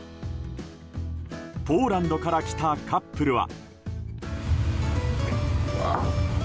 ポーランドから来たカップルは。